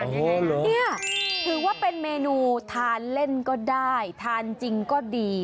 นี่ถือว่าเป็นเมนูทานเล่นก็ได้ทานจริงก็ดี